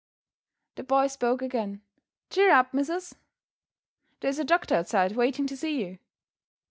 The boy spoke again. "Cheer up, missus. There's a doctor outside waiting to see you."